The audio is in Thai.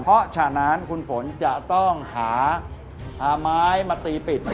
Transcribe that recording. เพราะฉะนั้นคุณฝนจะต้องหาไม้มาตีปิด